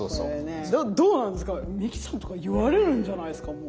どうなんですかミキさんとか言われるんじゃないですかもう。